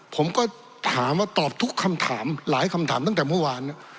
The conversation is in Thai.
ผมก็ถามว่าตอบทุกคำถามหลายคำถามตั้งแต่เมื่อวาน